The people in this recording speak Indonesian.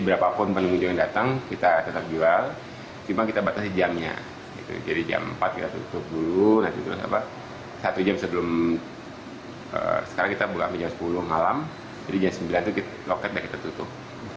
sekarang kita mulai jam sepuluh malam jadi jam sembilan itu kita loket dan kita tutup